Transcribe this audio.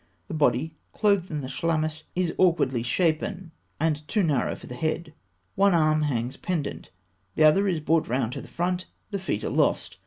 The body, clothed in the chlamys, is awkwardly shapen, and too narrow for the head. One arm hangs pendent; the other is brought round to the front; the feet are lost.